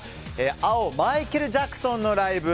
青のマイケル・ジャクソンのライブ。